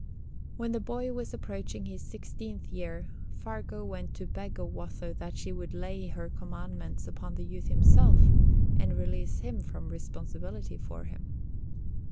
When the boy was approaching his sixteenth year, Fargu ventured to beg of Watho that she would lay her commands upon the youth himself, and release him from responsibility for him.